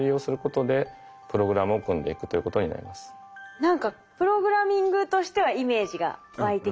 何かプログラミングとしてはイメージが湧いてきました。